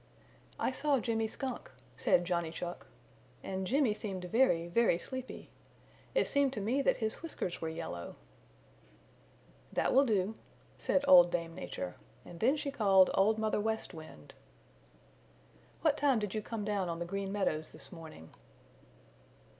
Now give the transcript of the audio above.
"I saw Jimmy Skunk," said Johnny Chuck, "and Jimmy seemed very, very sleepy. It seemed to me that his whiskers were yellow." "That will do," said Old Dame Nature, and then she called Old Mother West Wind. "What time did you come down on the Green Meadows this morning?"